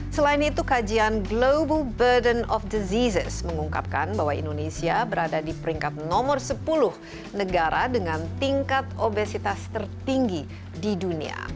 selain itu kajian global burden of diseases mengungkapkan bahwa indonesia berada di peringkat nomor sepuluh negara dengan tingkat obesitas tertinggi di dunia